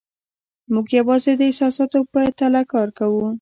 موږ یوازې د احساساتو په تله کار کوو.